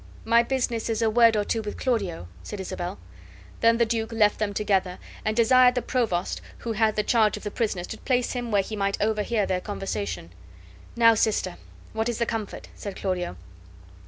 "My business is a word or two with Claudio," said Isabel. Then the duke left them together, and desired the provost who had the charge of the prisoners to place him where he might overhear their conversation. "Now, sister, what is the comfort?" said Claudio.